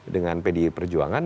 dengan pdi perjuangan